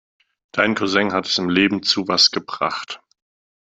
Dein Cousin hat es im Leben zu was gebracht.